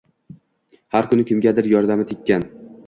Har kuni kimgadir yordami tekkan